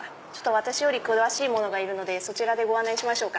私より詳しい者がいるのでそちらでご案内しましょうか？